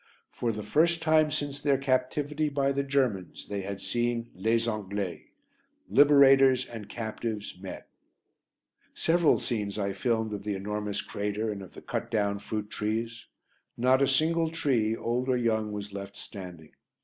For the first time since their captivity by the Germans they had seen "les Anglais." Liberators and captives met! Several scenes I filmed of the enormous crater and of the cut down fruit trees. Not a single tree, old or young, was left standing.